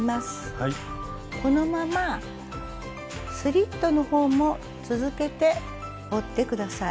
このままスリットの方も続けて折って下さい。